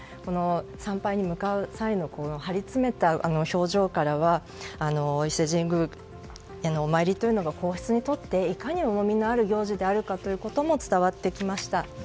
参拝に向かう際の張りつめた表情からは伊勢神宮へのお参りというのが皇室にとって、いかに重みのある行事かということが伝わってきました。